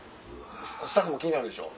スタッフも気になるでしょ？